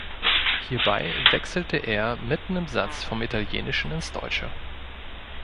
Hierbei wechselte er mitten im Satz vom Italienischen ins Deutsche.